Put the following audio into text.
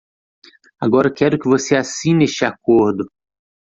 Agora quero que você assine este acordo.